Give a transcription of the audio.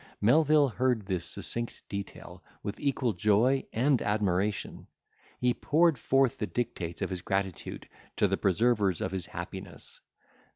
Melvil heard this succinct detail with equal joy and admiration. He poured forth the dictates of his gratitude to the preservers of his happiness.